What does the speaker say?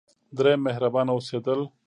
دریم: مهربانه اوسیدل.